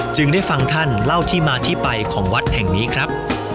จึงได้ฟังท่านเล่าที่มาที่ไปของวัดแห่งนี้ครับ